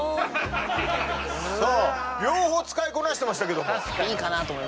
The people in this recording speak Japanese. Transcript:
さあ両方使いこなしてましたけども。